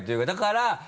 だから。